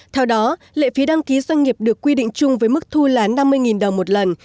theo đó lệ phí đăng ký doanh nghiệp được quy định chung với mức thu là năm mươi đồng một lần